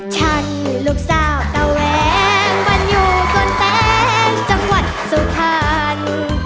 ฉันลูกสาวเตาแหวงมันอยู่ส่วนเต้นจังหวัดสุธรรม